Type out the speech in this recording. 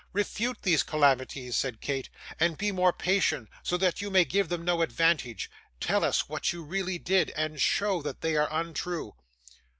'Refute these calumnies,' said Kate, 'and be more patient, so that you may give them no advantage. Tell us what you really did, and show that they are untrue.